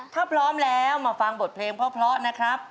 ถ้าพร้อมแล้วมาฟังบทเพลงเพราะนะครับ